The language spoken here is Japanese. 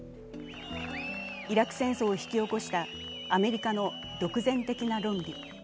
イラク戦争を引き起こしたアメリカの独善的な論議。